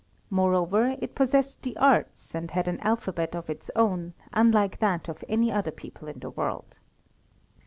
Moreover, it possessed the arts, and had an alphabet of its own, unlike that of any other people in the world.